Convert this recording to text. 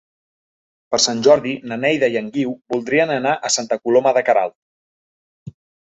Per Sant Jordi na Neida i en Guiu voldrien anar a Santa Coloma de Queralt.